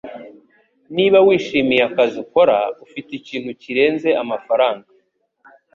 Niba wishimiye akazi ukora, ufite ikintu kirenze amafaranga.